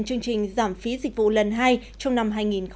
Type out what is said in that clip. chương trình giảm phí dịch vụ lần hai trong năm hai nghìn hai mươi